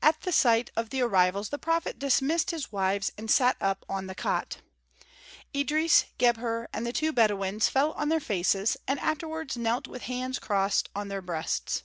At sight of the arrivals the prophet dismissed his wives and sat up on the cot. Idris, Gebhr, and the two Bedouins fell on their faces and afterwards knelt with hands crossed on their breasts.